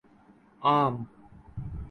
عام